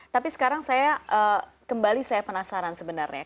tapi sekarang saya kembali saya penasaran sebenarnya